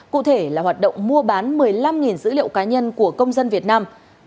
cụ thể là hoạt động mua bán một mươi năm dữ liệu cá nhân của công dân việt nam